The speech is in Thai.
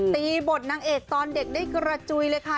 ตีบทนางเอกตอนเด็กได้กระจุยเลยค่ะ